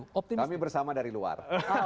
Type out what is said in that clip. kami bersama dari luar